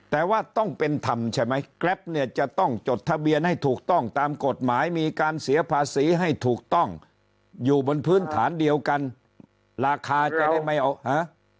แต่ว่าต้องเป็นธรรมใช่ไหมแกรปเนี่ยจะต้องจดทะเบียนให้ถูกต้องตามกฎหมายมีการเสียภาษีให้ถูกต้องอยู่บนพื้นฐานเดียวกันราคาจะได้ไม่เอาฮะ